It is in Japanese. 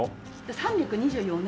３２４年。